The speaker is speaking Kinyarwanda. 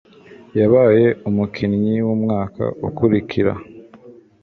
Yabaye umukinnyi wumwaka ukurikira.